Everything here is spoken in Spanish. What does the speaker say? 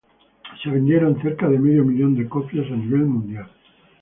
Se vendieron cerca de medio millón de copias a nivel mundial.